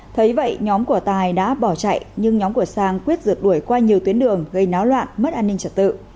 thấy vậy nhóm của tài đã bỏ chạy nhưng nhóm của sang quyết rượt đuổi qua nhiều tuyến đường gây náo loạn mất an ninh trật tự